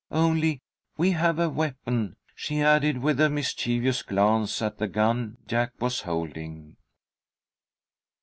Only we have a weapon," she added, with a mischievous glance at the gun Jack was holding.